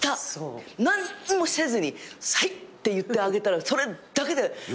何にもせずに「はい」って言ってあげたらそれだけで彼女は。